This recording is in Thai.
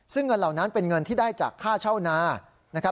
ซึ่งเงินเหล่านั้นเป็นเงินที่ได้จากค่าเช่านานะครับ